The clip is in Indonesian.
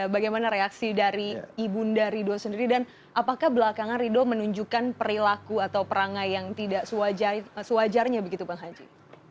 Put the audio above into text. bagaimana reaksi dari ibu nda rido sendiri dan apakah belakangan rido menunjukkan perilaku atau perangai yang tidak sewajarnya begitu bang haji